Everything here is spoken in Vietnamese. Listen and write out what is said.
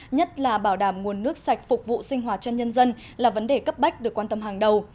nhất là bảo đảm nguồn nước sạch phục vụ sinh hoạt cho nhân dân là vấn đề cấp bách được quan tâm hàng đầu